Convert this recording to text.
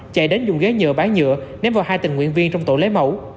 chạy đến dùng ghế nhựa bán nhựa ném vào hai tình nguyện viên trong tổ lấy mẫu